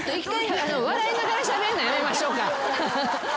笑いながらしゃべるのやめましょうか。